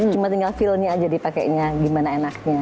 cuma tinggal feelnya aja dipakainya gimana enaknya